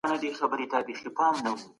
د پاچاهۍ په پیل کي کومي ستونزي وې؟